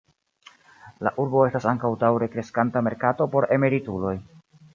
La urbo estas ankaŭ daŭre kreskanta merkato por emerituloj.